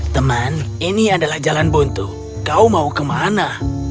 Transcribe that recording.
teman ini adalah jalan buntu kau mau ke mana